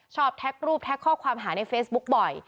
แท็กรูปแท็กข้อความหาในเฟซบุ๊กบ่อย